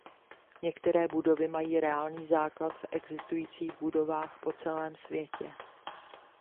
Některé budovy mají reálný základ v existujících budovách po celém světě.